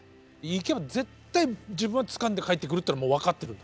行けば絶対自分はつかんで帰ってくるってのはもう分かってるんだ。